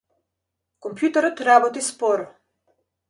Компјутерот работи споро.